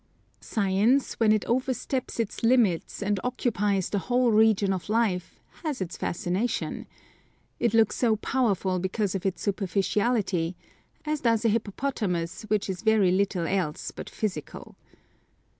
Science, when it oversteps its limits and occupies the whole region of life, has its fascination. It looks so powerful because of its superficiality, as does a hippopotamus which is very little else but physical.